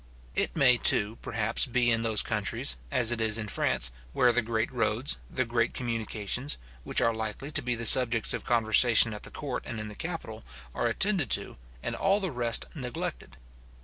It may too, perhaps, be in those countries, as it is in France, where the great roads, the great communications, which are likely to be the subjects of conversation at the court and in the capital, are attended to, and all the rest neglected.